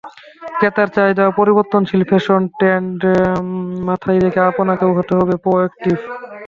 ক্রেতার চাহিদা ও পরিবর্তনশীল ফ্যাশন ট্রেন্ড মাথায় রেখে আপনাকেও হতে হবে প্রো-অ্যাক্টিভ।